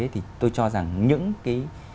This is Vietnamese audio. thì tôi cho rằng những cái